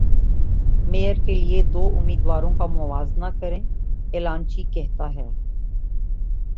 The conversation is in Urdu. میئر کے لیے دو امیدواروں کا موازنہ کریں اعلانچی کہتا ہے